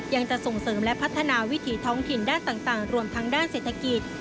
จะส่งเสริมและพัฒนาวิถีท้องถิ่นด้านต่างรวมทั้งด้านเศรษฐกิจ